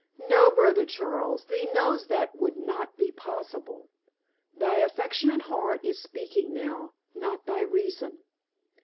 "No, brother Charles, thee knows that that would not be possible. Thy affectionate heart is speaking now, not thy reason.